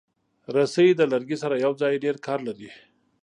رسۍ د لرګي سره یوځای ډېر کار لري.